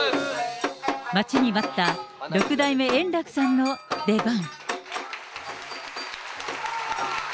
待ちに待った、六代目円楽さんの出番。